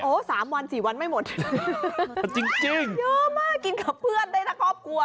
โอ้โห๓วัน๔วันไม่หมดจริงเยอะมากกินกับเพื่อนได้นะครอบครัว